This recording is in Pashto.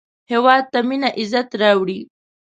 هېواد ته مینه عزت راوړي